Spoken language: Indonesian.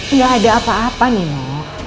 nggak ada apa apa nino